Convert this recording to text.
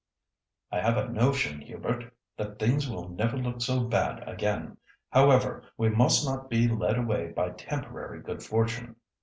"I have a notion, Hubert, that things will never look so bad again. However, we must not be led away by temporary good fortune.